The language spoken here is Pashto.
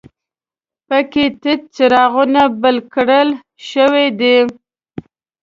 په کې تت څراغونه بل کړل شوي دي.